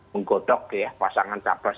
menggodok pasangan cawapres